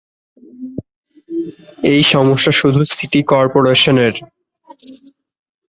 এই সমস্যা শুধু সিটি করপোরেশনের